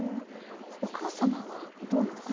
お母様はどうなんですか